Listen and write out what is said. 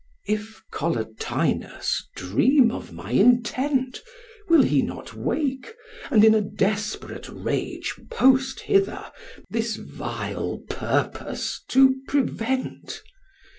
'If Collatinus dream of my intent, Will he not wake, and in a desperate rage Post hither, this vile purpose to prevent?